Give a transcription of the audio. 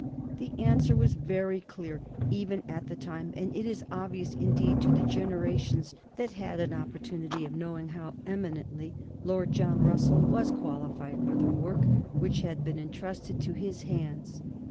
The answer was very clear, even at the time, and it is obvious indeed to the generations that had an opportunity of knowing how eminently Lord John Russell was qualified for the work which had been entrusted to his hands.